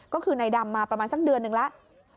ก็คือนายดำมาประมาณสักเดือนหนึ่งแล้ว